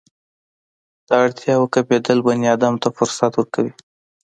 د اړتیاوو کمېدل بني ادم ته فرصت ورکوي.